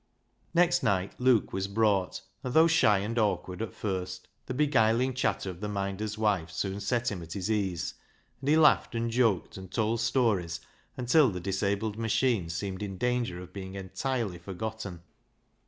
Next night Luke was brought, and though shy and awkward at first, the beguiling chatter of the Minder's wife soon set him at his ease, and he laughed and joked and told stories until the disabled machine seemed in danger of being entirely forgotten.